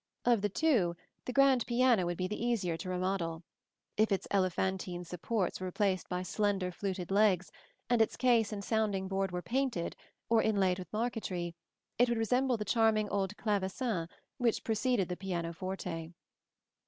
Of the two, the grand piano would be the easier to remodel: if its elephantine supports were replaced by slender fluted legs, and its case and sounding board were painted, or inlaid with marquetry, it would resemble the charming old clavecin which preceded the pianoforte.